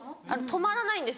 止まらないんですよ。